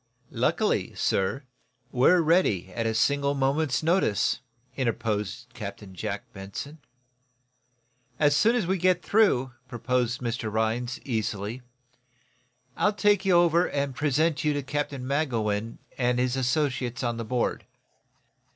"Luckily, sir, we're ready, at a single moment's notice," interposed Captain Jack Benson. "As soon as we get through," proposed Mr. Rhinds, easily, "I'll take you over and present you to Captain Magowan and his associates on the board."